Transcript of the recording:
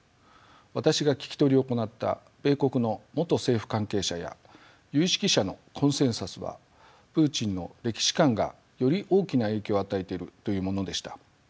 私が聞き取りを行った米国の元政府関係者や有識者のコンセンサスはプーチンの歴史観がより大きな影響を与えているというものでした。